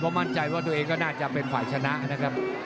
มั่นใจว่าตัวเองก็น่าจะเป็นฝ่ายชนะนะครับ